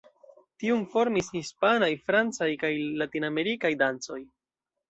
Tiun formis hispanaj, francaj kaj latinamerikaj dancoj.